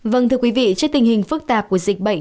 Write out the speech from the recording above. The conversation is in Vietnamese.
vâng thưa quý vị trước tình hình phức tạp của dịch bệnh